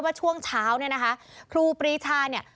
ช่วงเช้าเนี่ยนะคะครูปรีชาเนี่ย